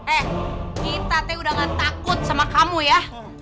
eh kita teh udah gak takut sama kamu ya